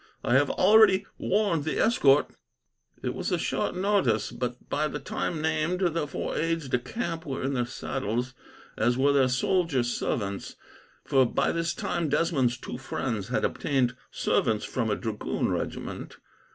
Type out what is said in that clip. I have already warned the escort." It was a short notice, but by the time named the four aides de camp were in their saddles, as were their soldier servants, for by this time Desmond's two friends had obtained servants from a dragoon regiment.